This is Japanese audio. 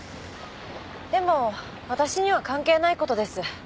でも私には関係ない事です。